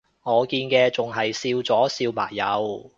我見到嘅仲係笑咗笑埋右